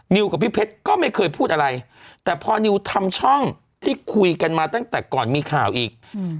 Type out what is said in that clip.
กับพี่เพชรก็ไม่เคยพูดอะไรแต่พอนิวทำช่องที่คุยกันมาตั้งแต่ก่อนมีข่าวอีก